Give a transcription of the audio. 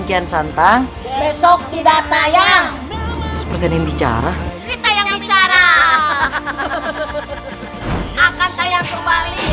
kian santang besok tidak tayang seperti yang bicara kita yang bicara akan tayang kembali